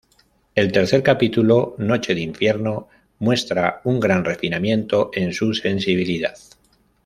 El tercer capítulo, "Noche del infierno", muestra un gran refinamiento en su sensibilidad.